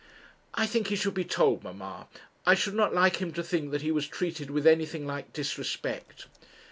'I think he should be told, mamma; I should not like him to think that he was treated with anything like disrespect.'